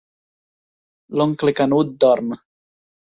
L'oncle Canut dorm.